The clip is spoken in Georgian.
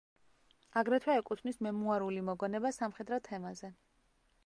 აგრეთვე ეკუთვნის მემუარული მოგონება სამხედრო თემაზე.